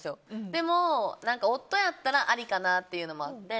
でも、夫やったらありかなっていうのがあって。